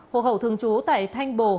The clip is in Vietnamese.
hộ hậu thường trú tại thanh bồ